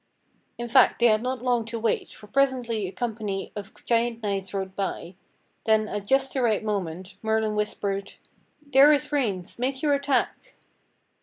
In fact they had not long to wait, for presently a company of giant knights rode by; then, at just the right moment. Merlin whis pered : "There is Reince! Make your attack!"